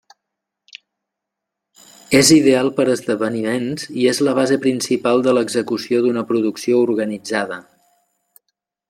És ideal per a esdeveniments i és la base principal de l’execució d’una producció organitzada.